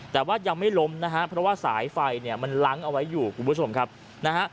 แต่ว่ายังไม่ล้มนะฮะเพราะว่าสายไฟเนี่ยมันล้างเอาไว้อยู่คุณผู้ชมครับนะฮะ